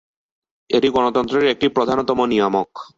এটি গণতন্ত্রের একটি প্রধানতম নিয়ামক।